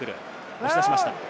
押し出しました。